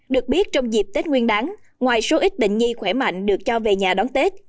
được biết trong dịp tết nguyên đáng ngoài số ít bệnh nhi khỏe mạnh được cho về nhà đón tết